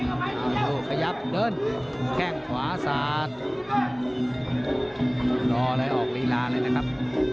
โอ้โหขยับเดินแข้งขวาสาธิตรีรอเลยออกลีลาเลยนะครับ